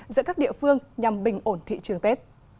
giữa các địa phương nhằm bình ổn thị trường tết